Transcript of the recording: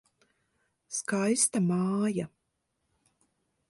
Skaista māja.